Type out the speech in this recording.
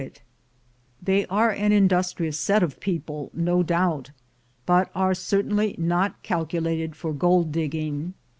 144 THE GOLD HUNTERS They are an industrious set of people, no doubt, but are certainly not calculated for gold digging.